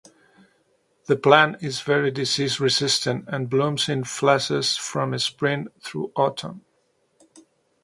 The plant is very disease resistant and blooms in flushes from spring through autumn.